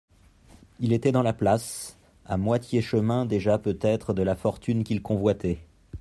Il était dans la place, à moitié chemin déjà peut-être de la fortune qu'il convoitait.